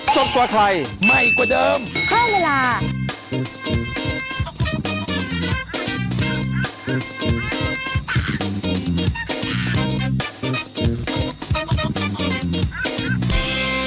สวัสดีค่ะ